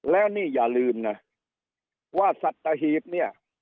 แล้วนี่อย่าลืมนะว่าสัตหีบเนี่ย